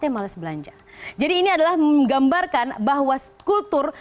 menggambarkan bahwa kultur